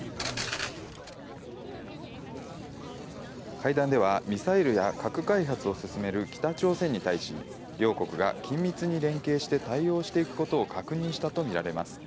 会談ではミサイルや核開発を進める北朝鮮に対し、両国が緊密に連携して対応していくことを確認したと見られます。